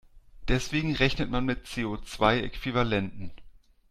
Deswegen rechnet man mit CO-zwei-Äquivalenten.